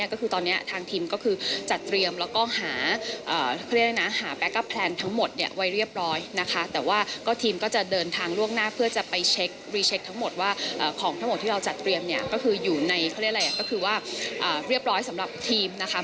ก็คือตอนนี้ทางทีมก็คือจัดเตรียมแล้วก็หาแปลกอัพแพลนทั้งหมดไว้เรียบร้อยนะคะแต่ว่าทีมก็จะเดินทางล่วงหน้าเพื่อจะไปเช็คทั้งหมดว่าของทั้งหมดที่เราจัดเตรียมก็คืออยู่ในเรียบร้อยสำหรับทีมนะคะ